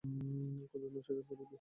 কতদিন অস্বীকার করবি?